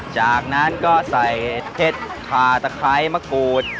จากนั้นก็ใส่เพชรคาตะไคร้มะกรูด